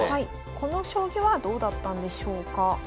この将棋はどうだったんでしょうか？